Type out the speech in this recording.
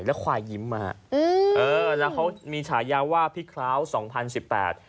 แล้วควายยิ้มอ่ะอืมเออแล้วเขามีฉายาว่าพี่คร้าวสองพันสิบแปด